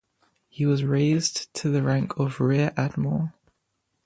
He was raised to the rank of rear admiral.